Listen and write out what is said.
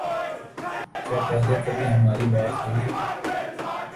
کیا پہلے کبھی ہماری بات ہوئی ہے